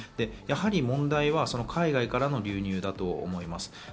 問題は海外からの流入だと思います。